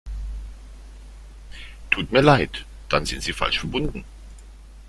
Tut mir leid, dann sind Sie falsch verbunden.